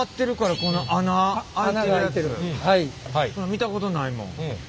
見たことないもん。